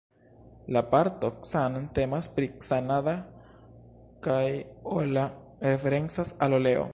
La parto "Can" temas pri Canada kaj "ola" referencas al oleo.